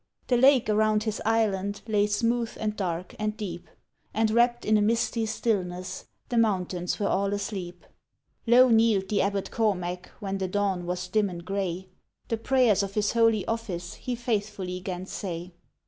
The lake around his island lay smooth and dark and deep, And wrapt in a misty stillness the mountains were all asleep. Low kneel'd the Abbot Cormac when the dawn was dim and gray; The prayers of his holy office he faithfully 'gan say.